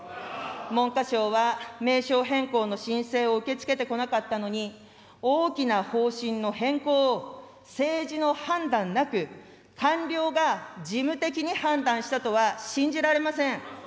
文科省は、名称変更の申請を受け付けてこなかったのに、大きな方針の変更を、政治の判断なく官僚が事務的に判断したとは信じられません。